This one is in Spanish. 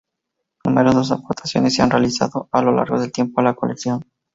Numerosas aportaciones se han realizado a lo largo del tiempo a la colección.